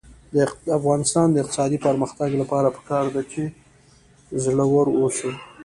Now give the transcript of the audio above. د افغانستان د اقتصادي پرمختګ لپاره پکار ده چې زړور اوسو.